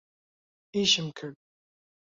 ئیشم کرد.